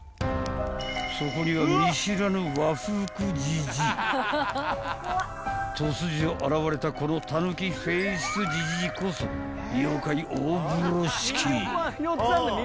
［そこには見知らぬ和服じじい］［突如現れたこのタヌキフェイスじじいこそ妖怪大風呂敷］